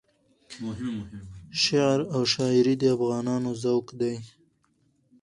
شعر او شایري د افغانانو ذوق دی.